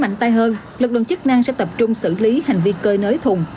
mạnh tay hơn lực lượng chức năng sẽ tập trung xử lý hành vi cơi nới thùng